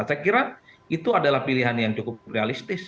saya kira itu adalah pilihan yang cukup realistis